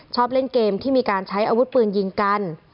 ชอบเล่นเกมที่มีการใช้อาวุธปืนยิงกัน